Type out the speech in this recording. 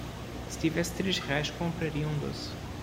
se tivesse três reais compraria um doce